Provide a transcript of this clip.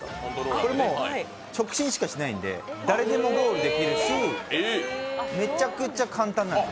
これは直進しかしないんで誰でもゴールできるし、めちゃくちゃ簡単なんです。